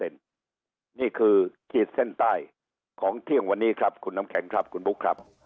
นี่คือขีดเส้นใต้ของเที่ยงวันนี้ครับคุณน้ำแข็งครับคุณบุ๊คครับ